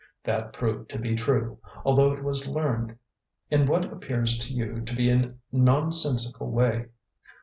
That proved to be true, although it was learned in what appears to you to be a nonsensical way.